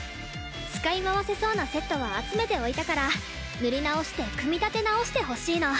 使い回せそうなセットは集めておいたから塗り直して組み立て直してほしいの。